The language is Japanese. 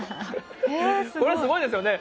これすごいですよね。